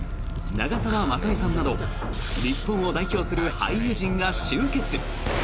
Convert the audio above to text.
長澤まさみさんなど日本を代表する俳優陣が集結。